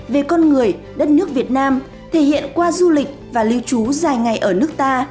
về con người đất nước việt nam thể hiện qua du lịch và lưu trú dài ngày ở nước ta